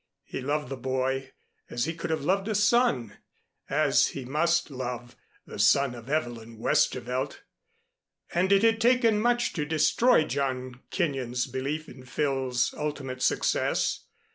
He loved the boy as he could have loved a son, as he must love the son of Evelyn Westervelt, and it had taken much to destroy John Kenyon's belief in Phil's ultimate success.